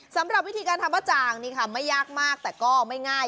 สำหรับวิธีการทำป้าจางนี่ค่ะไม่ยากมากแต่ก็ไม่ง่าย